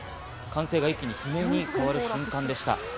歓声が一気に悲鳴に変わる瞬間でした。